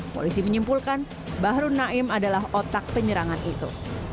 polisi menyimpulkan bahru naim adalah otak penyerangan itu